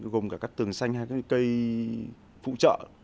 gồm cả các tường xanh hay các cây phụ trợ